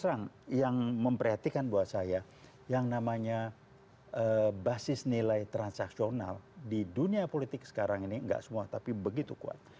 terang yang memperhatikan buat saya yang namanya basis nilai transaksional di dunia politik sekarang ini enggak semua tapi begitu kuat